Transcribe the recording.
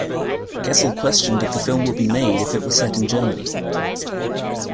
Kessel questioned if the film would be made if it were set in Germany.